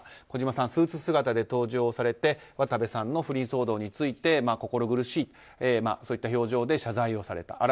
児嶋さん、スーツ姿で登場されて渡部さんの不倫騒動について心苦しいといった表情で謝罪をされた。